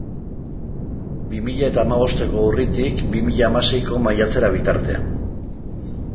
Bi mila eta hamabosteko urritik bi mila hamaseiko maiatzera bitartean.